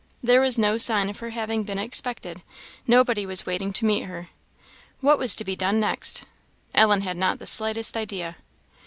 There was no sign of her having been expected; nobody was waiting to meet her. What was to be done next? Ellen had not the slightest idea.